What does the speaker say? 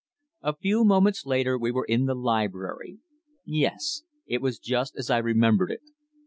A few moments later we were in the library. Yes. It was just as I remembered it.